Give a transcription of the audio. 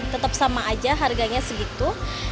tetap sama aja harganya segitu